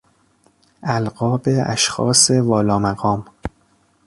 القاب اشخاص والا مقام